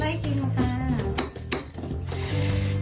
ได้กินแล้วกัน